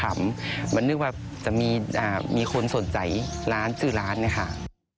มีคนสนใจร้านซื้อร้านน่ะค่ะ